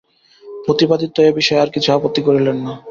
প্রতাপাদিত্য এ-বিষয়ে আর কিছু আপত্তি করিলেন না।